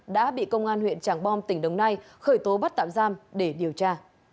đã bị công an huyện tràng bom tỉnh đồng nai khởi tố bắt tạm giam để điều tra